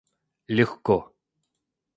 легко